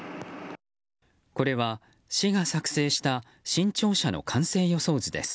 これは市が作成した新庁舎の完成予想図です。